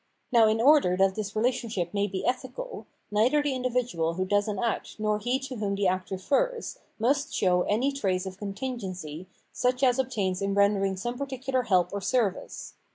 Now in order that this relationship may be ethical, neither the individual who does an act nor he to whom the act refers, must show any trace of contingency such^ as obtains in rendering some particular help or service.